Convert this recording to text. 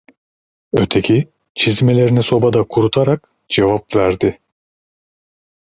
Öteki, çizmelerini sobada kurutarak, cevap verdi…